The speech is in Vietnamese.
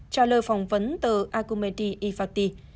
trả lời phỏng vấn tờ akumeti alphanty